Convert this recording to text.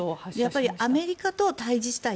やっぱりアメリカと対峙したい。